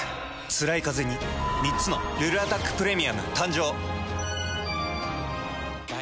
つらいカゼに３つの「ルルアタックプレミアム」誕生。